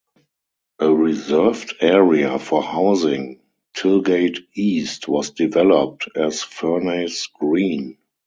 A reserved area for housing "Tilgate East" was developed as Furnace Green.